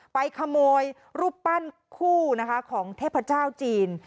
ไปขโมยรูปปั้นคู่นะคะของเทพเจ้าจีน